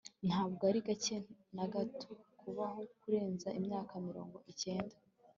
ntabwo ari gake na gato kubaho kurenza imyaka mirongo cyenda